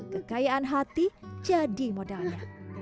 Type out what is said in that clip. kekayaan hati jadi modalnya